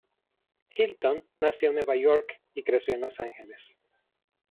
Hilton nació en Nueva York, y creció en Los Ángeles.